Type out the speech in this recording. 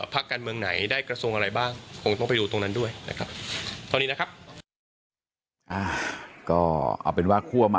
พักการเมืองไหนได้กระทรวงอะไรบ้างคงต้องไปดูตรงนั้นด้วยนะครับ